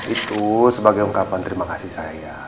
itu sebagai ungkapan terima kasih saya